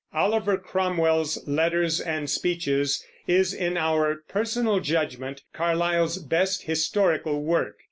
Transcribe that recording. Oliver Cromwell's Letters and Speeches is, in our personal judgment, Carlyle's best historical work.